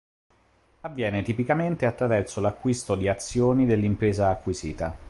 Avviene tipicamente attraverso l'acquisto di azioni dell'impresa acquisita.